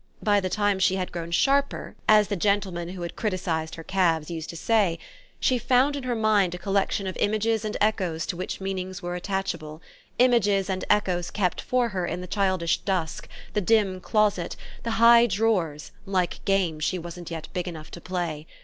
By the time she had grown sharper, as the gentlemen who had criticised her calves used to say, she found in her mind a collection of images and echoes to which meanings were attachable images and echoes kept for her in the childish dusk, the dim closet, the high drawers, like games she wasn't yet big enough to play.